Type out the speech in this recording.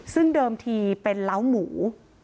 ซึ่งเดิมทีเป็นเล้าหมู